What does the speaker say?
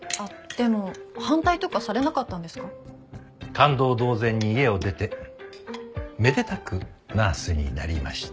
勘当同然に家を出てめでたくナースになりました。